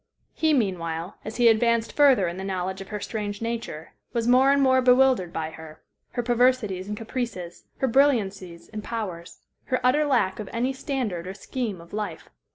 He, meanwhile, as he advanced further in the knowledge of her strange nature, was more and more bewildered by her her perversities and caprices, her brilliancies and powers, her utter lack of any standard or scheme of life.